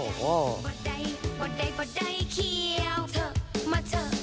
วัดได้วัดได้วัดได้เคี้ยวเถอะมาเถอะ